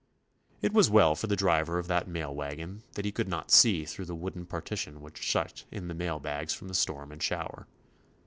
It was well for the driver of that 71 THE ADVENTURES OF mail wagon that he could not see through the wooden partition which shut in the mail bags from storm and shower.